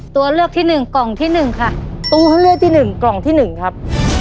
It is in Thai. ตัวเลือกที่หนึ่งกล่องที่หนึ่งค่ะตัวเขาเลือกที่หนึ่งกล่องที่หนึ่งครับ